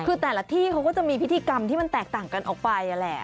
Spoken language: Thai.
คือแต่ละที่เขาก็จะมีพิธีกรรมที่มันแตกต่างกันออกไปนั่นแหละ